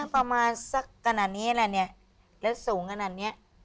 พอมาสักขนาดนี้แล้วเนี่ยแล้วสูงขนาดนี้